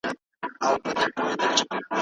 محیط د انسان پر شخصیت اغېز لري.